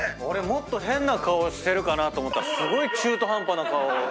俺もっと変な顔してるかなと思ったらすごい中途半端な顔。